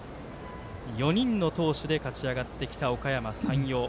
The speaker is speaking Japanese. ４人の投手で勝ち上がってきたおかやま山陽。